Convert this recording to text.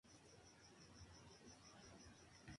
Egresó como maestra desde la Escuela Normal Manuela Cañizares.